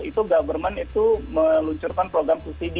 itu government itu meluncurkan program subsidi